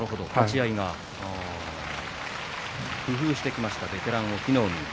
工夫してきましたベテラン隠岐の海。